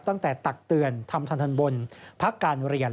ตั้งแต่ตักเตือนทำถันบลพักการเรียน